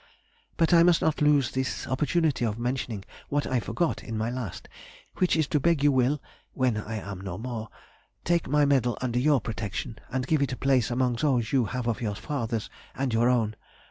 But I must not lose this opportunity of mentioning what I forgot in my last, which is to beg you will (when I am no more) take my medal under your protection, and give it a place among those you have of your father's and your own.